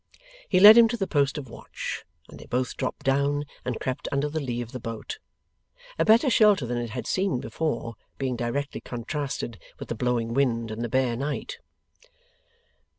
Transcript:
He led him to the post of watch, and they both dropped down and crept under the lee of the boat; a better shelter than it had seemed before, being directly contrasted with the blowing wind and the bare night.